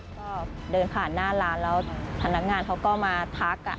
ก็เดินผ่านหน้าร้านแล้วพนักงานเขาก็มาทัก